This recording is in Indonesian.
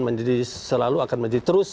menjadi selalu akan menjadi terus